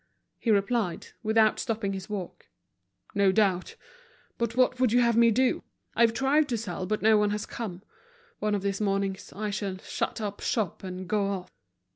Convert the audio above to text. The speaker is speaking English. He replied, without stopping his walk—"No doubt; but what would you have me do? I've tried to sell, but no one has come. One of these mornings I shall shut up shop and go off."